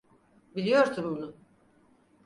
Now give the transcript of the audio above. Biliyorsun bunu.